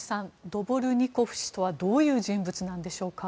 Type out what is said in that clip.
ドボルニコフ氏とはどういう人物なのでしょうか。